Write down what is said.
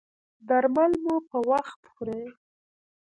درمل مو په وخت خورئ؟